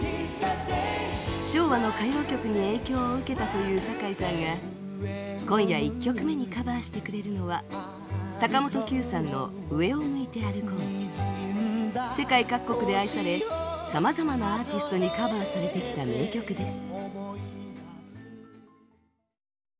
昭和の歌謡曲に影響を受けたというさかいさんが今夜１曲目にカバーしてくれるのは世界各国で愛されさまざまなアーティストにカバーされてきた名曲です。